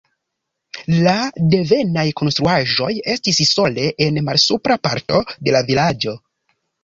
La devenaj konstruaĵoj estis sole en malsupra parto de la vilaĝo.